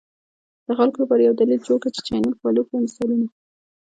د خلکو لپاره یو دلیل جوړ کړه چې چینل فالو کړي، مثالونه: